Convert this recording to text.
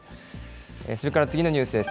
それから次のニュースです。